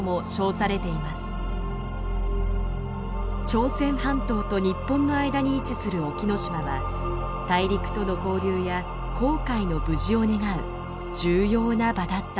朝鮮半島と日本の間に位置する沖ノ島は大陸との交流や航海の無事を願う重要な場だったのです。